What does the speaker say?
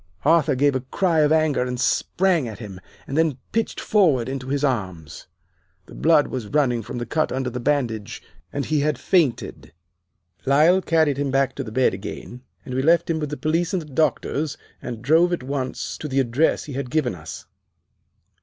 "Arthur gave a cry of anger and sprang at him, and then pitched forward into his arms. The blood was running from the cut under the bandage, and he had fainted. Lyle carried him back to the bed again, and we left him with the police and the doctors, and drove at once to the address he had given us.